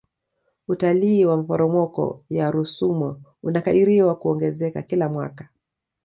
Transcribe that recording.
utalii wa maporomoko ya rusumo unakadiriwa kuongezeka kila mwaka